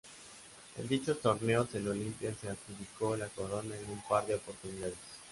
En dichos torneos; el Olimpia se adjudicó la corona en un par de oportunidades.